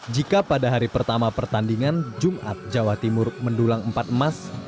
jika pada hari pertama pertandingan jumat jawa timur mendulang empat emas